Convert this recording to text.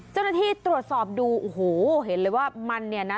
เจ้าหน้าที่ตรวจสอบดูโอ้โหเห็นเลยว่ามันเนี่ยนะ